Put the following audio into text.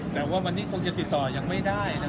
แต่ว่าวันนี้คงจะติดต่อยังไม่ได้